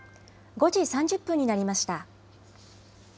５時３０分になりました。